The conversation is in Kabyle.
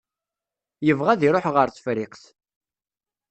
Yebɣa ad iṛuḥ ɣer Tefriqt.